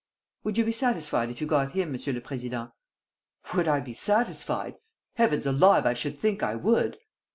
"Would you be satisfied if you got him, Monsieur le Président?" "Would I be satisfied? Heavens alive, I should think I would!"